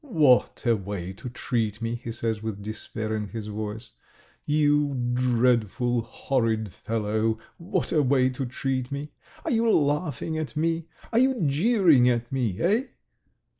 "What a way to treat me!" he says with despair in his voice. "You dreadful, horrid fellow, what a way to treat me! Are you laughing at me, are you jeering at me? Eh?"